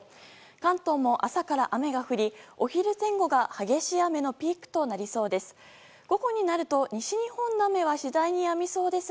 関東も朝から雨が降りお昼前後が激しい雨のピークとなりそうです。